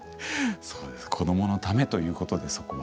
子どものためということでそこは。